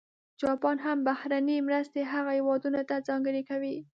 جاپان هم بهرنۍ مرستې هغه هېوادونه ته ځانګړې کوي.